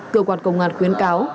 cơ quan công an khuyến cáo